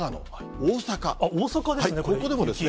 大阪ですね。